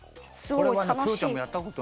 これはクヨちゃんもやったことない。